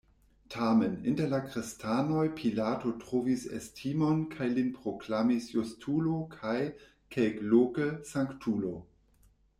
Tamen, inter la kristanoj Pilato trovis estimon kaj lin proklamis justulo kaj, kelkloke, sanktulo.